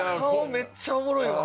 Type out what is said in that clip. めっちゃおもろいわ。